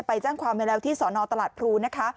ไปแจ้งความไว้แล้วที่สนตลาดพลูนะคะ